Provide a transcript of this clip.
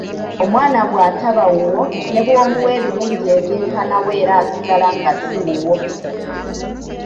Omwana bw’ataba wuwo ne bw’omuwa ebirungi ebyenkana wa era asigala nga si wuwo.